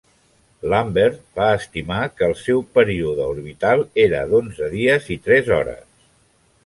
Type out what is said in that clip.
Lambert va estimar que el seu període orbital era d"onze dies i tres hores.